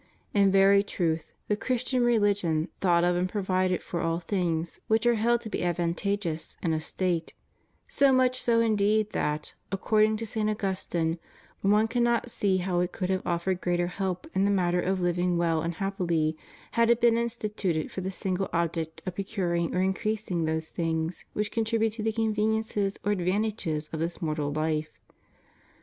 In very truth, the Christian religion thought of and provided for all things which are held to be advantageous in a State; so much so indeed that, according to St. Augustine, one cannot see how it could have offered greater help in the matter of living well and happily, had it been instituted for the single object of procuring or increasing those things which con tribute to the conveniences or advantages of this mortal life.